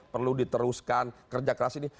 perlu diteruskan kerja keras ini